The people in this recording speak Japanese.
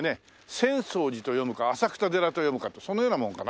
「浅草寺」と読むか「浅草寺」と読むかってそんなようなものかな？